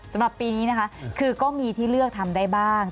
สำหรับปีนี้นะคะคือก็มีที่เลือกทำได้บ้าง